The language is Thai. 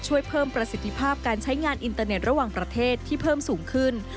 ช่วยเพิ่มประสิทธิภาพการใช้งานอินเตอร์เน็ตระหว่างประเทศที่เพิ่มสูงขึ้น